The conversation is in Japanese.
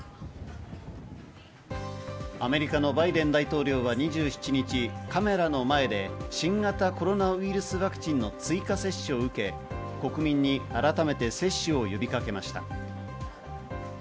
アメリカのバイデン大統領は２７日、カメラの前で新型コロナウイルスワクチンの追加接種を受け、国民に改めて接種を呼びかけました。